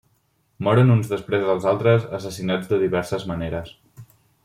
Moren uns després dels altres assassinats de diverses maneres.